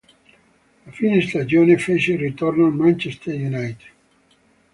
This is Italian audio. A fine stagione, fece ritorno al Manchester United.